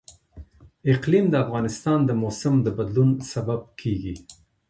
اقلیم د افغانستان د موسم د بدلون سبب کېږي.